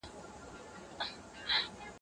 ګلالۍ، میوندۍ، کابلۍ